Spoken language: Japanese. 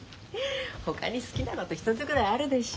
ほかに好きなこと一つぐらいあるでしょう？